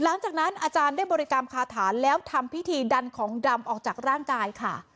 หลังจากนั้นอาจารย์ได้บริกรรมคาถาแล้วทำพิธีดันของดำออกจากร่างกายค่ะ